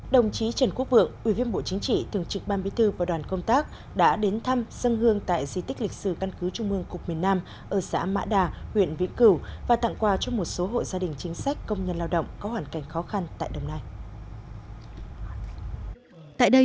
đồng chí trần quốc vượng ủy viên bộ chính trị thường trực ban bí thư và đoàn công tác đã đến thăm dân hương tại di tích lịch sử căn cứ trung ương cục miền nam ở xã mã đà huyện viễn cửu và tặng quà cho một số hộ gia đình chính sách công nhân lao động có hoàn cảnh khó khăn tại đồng nai